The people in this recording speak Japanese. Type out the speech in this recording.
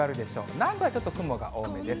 南部はちょっと雲が多めです。